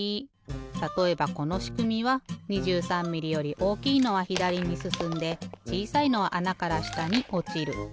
たとえばこのしくみは２３ミリより大きいのはひだりにすすんでちいさいのはあなからしたにおちる。